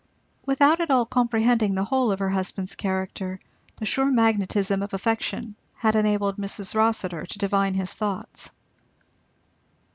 Without at all comprehending the whole of her husband's character the sure magnetism of affection had enabled Mrs. Rossitur to divine his thoughts.